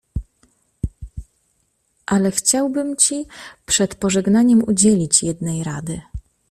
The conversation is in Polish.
"Ale chciałbym ci przed pożegnaniem udzielić jednej rady."